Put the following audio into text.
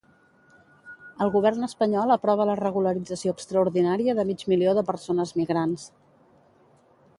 El govern espanyol aprova la regularització extraordinària de mig milió de persones migrants.